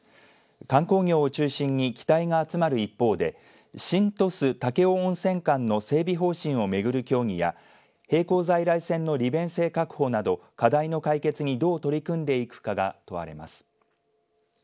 観光業を中心に期待が集まる一方で新鳥栖武生温泉間の整備方針を巡る協議や並行在来線の利便性確保など課題の解決に、どう取り組んでいくかが問われます。